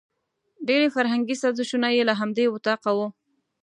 ډېري فرهنګي سازشونه یې له همدې وطاقه وو.